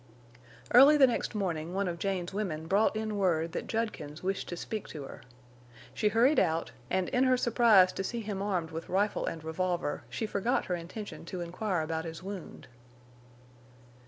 Early the next morning one of Jane's women brought in word that Judkins wished to speak to her. She hurried out, and in her surprise to see him armed with rifle and revolver, she forgot her intention to inquire about his wound.